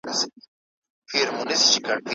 ښځه په کور کي د نظم او ډیسپلین راوستلو اصلي مسؤله ده